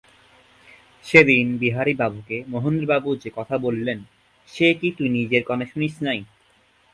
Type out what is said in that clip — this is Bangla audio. সেদিন বিহারীবাবুকে মহেন্দ্রবাবু যে কথা বলিলেন, সে কি তুই নিজের কানে শুনিস নাই।